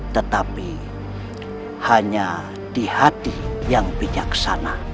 tetapi hanya di hati yang bijaksana